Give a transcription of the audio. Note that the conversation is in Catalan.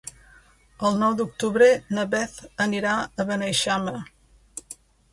El nou d'octubre na Beth anirà a Beneixama.